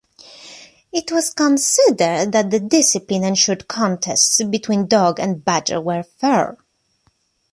It was considered that the discipline ensured contests between dog and badger were fair.